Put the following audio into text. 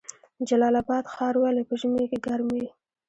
جلال اباد ښار ولې په ژمي کې ګرم وي؟